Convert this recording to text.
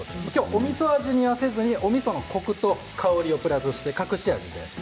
おみそ味にせずにおみそのコクと香りをプラスして。